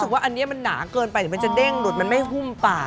เรื่องอันนี้มันหนาเกินไปมันจะเด้งหลุดไม่ฮุ่มปาก